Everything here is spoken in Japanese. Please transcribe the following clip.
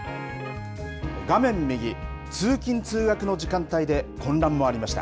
画面右、通勤通学の時間帯で混乱もありました。